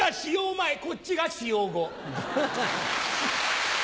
前こっちが使用後。